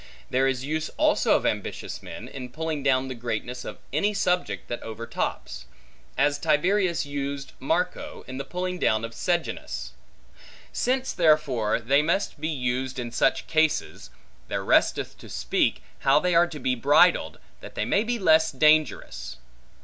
There is use also of ambitious men, in pulling down the greatness of any subject that overtops; as Tiberius used Marco, in the pulling down of Sejanus. Since, therefore, they must be used in such cases, there resteth to speak, how they are to be bridled, that they may be less dangerous.